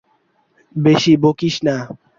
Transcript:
বেশি বকিস না।